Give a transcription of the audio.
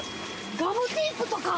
ガムテープとか。